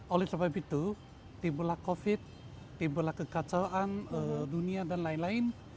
oleh sebab itu timbullah covid timbullah kekacauan dunia dan lain lain